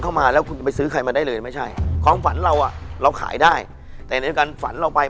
แต่ในการฝันเราไป